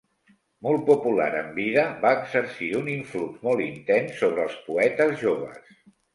Molt popular en vida, va exercir un influx molt intens sobre els poetes joves.